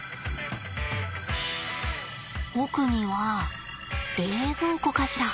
奧には冷蔵庫かしら。